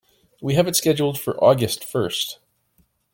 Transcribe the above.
We have it scheduled for August first.